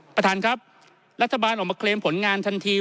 ประธานครับรัฐบาลออกมาเคลมผลงานทันที